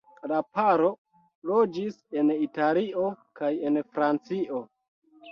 La paro loĝis en Italio kaj en Francio.